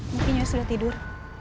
mungkin nyonya sudah tidur